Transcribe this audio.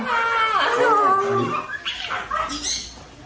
น่ารักนิสัยดีมาก